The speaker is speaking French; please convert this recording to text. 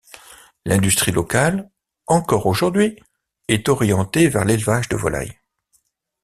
L’industrie locale, encore aujourd'hui, est orientée vers l'élevage de volailles.